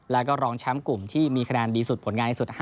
แล้วก็รองแชมป์กลุ่มที่มีคะแนนดีสุดผลงานที่สุด